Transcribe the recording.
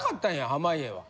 濱家は。